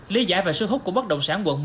lý giải và sơ hút của bất động sản quận một